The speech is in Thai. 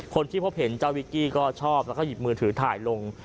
คนที่พบเห็นเจ้าวิกกี้ก็ชอบแล้วก็หยิบมือถือถ่ายลง